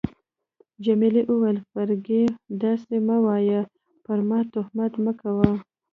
جميلې وويل: فرګي، داسي مه وایه، پر ما تهمت مه کوه.